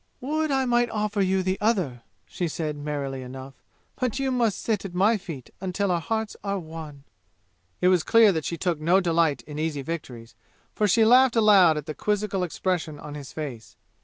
"Would I might offer you the other!" she said, merrily enough, "but you must sit at my feet until our hearts are one!" It was clear that she took no delight in easy victories, for she laughed aloud at the quizzical expression on his face.